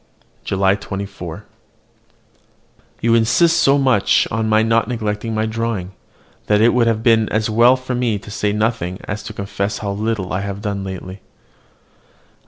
JULY 24. You insist so much on my not neglecting my drawing, that it would be as well for me to say nothing as to confess how little I have lately done.